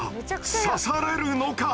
刺されるのか？